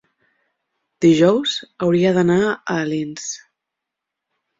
dijous hauria d'anar a Alins.